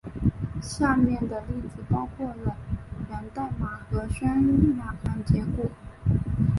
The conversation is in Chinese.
下面的例子包括了源代码和渲染结果。